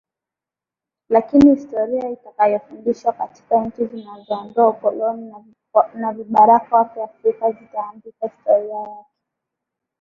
lakini historia itakayofundishwa katika nchi zilizoondoa ukoloni na vibaraka wake Afrika itaandika historia yake